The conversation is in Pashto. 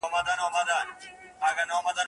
پېغلي هغه، پاولي هغه، کمیس هغه دی ربه